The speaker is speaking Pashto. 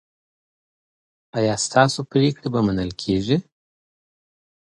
ایا ستاسو پریکړې به منل کیږي؟